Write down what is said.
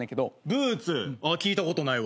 「ブーツ」聞いたことないわ。